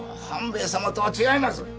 半兵衛様とは違います。